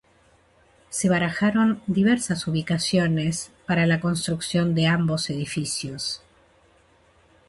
Se barajaron diversas ubicaciones para la construcción de ambos edificios.